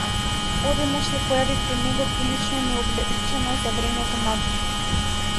Одеднаш се појави пред него прилично необлечена за времето надвор.